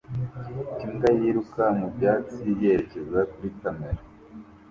Imbwa yiruka mu byatsi yerekeza kuri kamera